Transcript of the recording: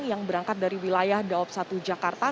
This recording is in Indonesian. yang berangkat dari wilayah daob satu jakarta